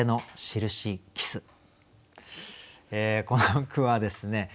この句はですね